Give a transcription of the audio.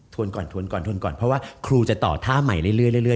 ทวนก่อนเพราะว่าครูจะต่อท่าใหม่เรื่อย